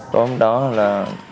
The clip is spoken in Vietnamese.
tối hôm đó là